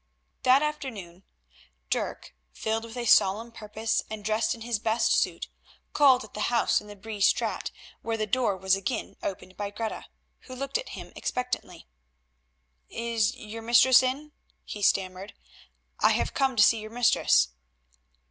That afternoon Dirk, filled with a solemn purpose, and dressed in his best suit, called at the house in the Bree Straat, where the door was again opened by Greta, who looked at him expectantly. "Is your mistress in?" he stammered. "I have come to see your mistress."